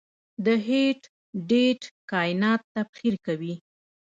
د هیټ ډیت کائنات تبخیر کوي.